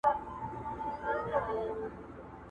هغه له پاڼو تشه توره ونه٫